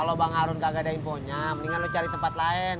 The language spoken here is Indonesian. kalau bang harun gak ada infonya mendingan lo cari tempat lain